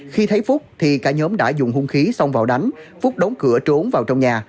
khi thấy phúc thì cả nhóm đã dùng hung khí xông vào đánh phúc đóng cửa trốn vào trong nhà